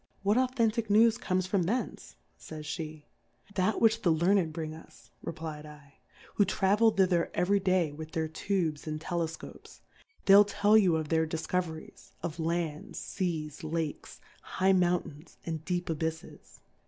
What authentick News comes from thtncQ^ fay sjjje ? That which the Learn ed bring us, replfal^ who travel thither every Day with their Tubes and Telef copes ; they'll tell you of their Difcove. ries, of Lands, Seas, Lakes, high Moun tains, and deep Abyffes.